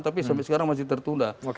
tapi sampai sekarang masih tertunda